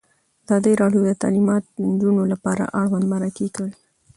ازادي راډیو د تعلیمات د نجونو لپاره اړوند مرکې کړي.